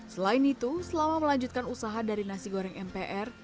selain itu selama melanjutkan usaha dari nasi goreng mpr